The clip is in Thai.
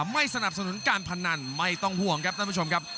ไม่สนับสนุนการพนันไม่ต้องห่วงครับท่านผู้ชมครับ